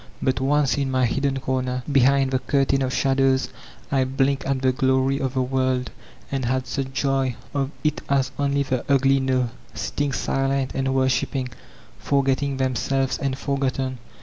But, once, in my hidden comer, behind the curtain of shadows, I blinked at the glory of the world, and had such joy of it as only the ugly know, sitting silent and worshiping, forgetting themselves and forgotten.